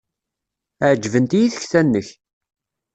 Ɛejbent-iyi tekta-nnek.